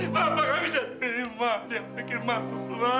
papa gak bisa terima yang bikin mak lho ma